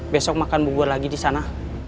besok makan bubur lagi disana